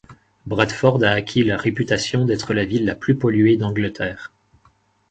Bradford a acquis la réputation d'être la ville la plus polluée d'Angleterre.